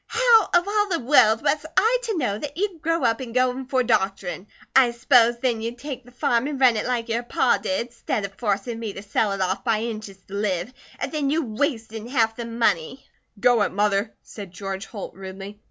"How of all the world was I to know that you'd grow up and go in for doctorin'? I s'pos'd then you'd take the farm an' run it like your pa did, stead of forcin' me to sell it off by inches to live, an' then you wastin' half the money." "Go it, Mother," said George Holt, rudely.